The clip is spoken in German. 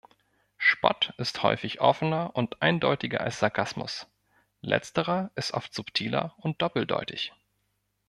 Spott ist häufig offener und eindeutiger als Sarkasmus; letzterer ist oft subtiler und doppeldeutig.